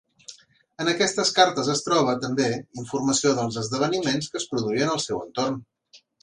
En aquestes cartes es troba, també, informació dels esdeveniments que es produïen al seu entorn.